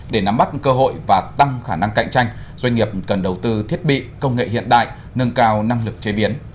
để nắm bắt cơ hội và tăng khả năng cạnh tranh doanh nghiệp cần đầu tư thiết bị công nghệ hiện đại nâng cao năng lực chế biến